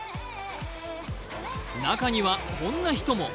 中にはこんな人も。